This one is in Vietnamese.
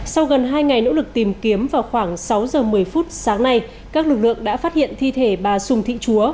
sau gần hai ngày nỗ lực tìm kiếm vào khoảng sáu giờ một mươi phút sáng nay các lực lượng đã phát hiện thi thể bà sùng thị chúa